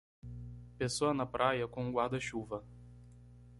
Pessoa na praia com um guarda-chuva.